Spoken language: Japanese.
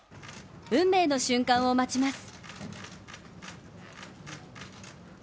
運命の瞬間を待ちます。